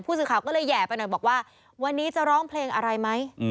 สื่อข่าวก็เลยแห่ไปหน่อยบอกว่าวันนี้จะร้องเพลงอะไรไหม